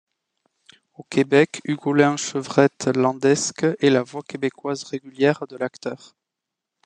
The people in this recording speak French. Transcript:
Au Québec, Hugolin Chevrette-Landesque est la voix québécoise régulière de l'acteur.